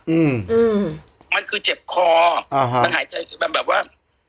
อืมมันคือเจ็บคอมันหายใจแบบว่า